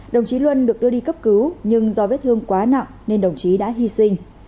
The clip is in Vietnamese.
đồng chí luân được đưa đi cấp cứu nhưng do vết thương quá nặng nên đồng chí đã hy sinh